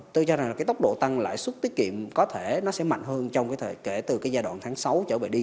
tôi cho rằng là cái tốc độ tăng lãi suất tiết kiệm có thể nó sẽ mạnh hơn trong cái kể từ cái giai đoạn tháng sáu trở về đi